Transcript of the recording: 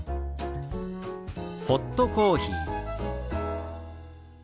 「ホットコーヒー」。